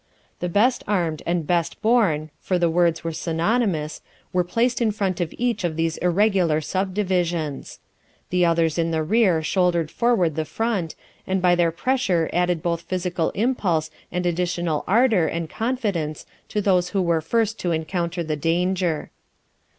The best armed and best born, for the words were synonymous, were placed in front of each of these irregular subdivisions. The others in the rear shouldered forward the front, and by their pressure added both physical impulse and additional ardour and confidence to those who were first to encounter the danger.